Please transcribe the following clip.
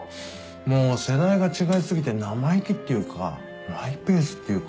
もう世代が違い過ぎて生意気っていうかマイペースっていうか。